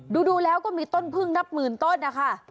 ดูแล้วก็มีต้นพึ่งนับหมื่นต้นนะคะ